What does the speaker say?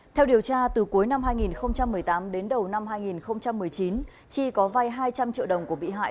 theo điều tra từ cuối năm hai nghìn một mươi tám đến đầu năm hai nghìn một mươi chín chi có vai hai trăm linh triệu đồng của bị hại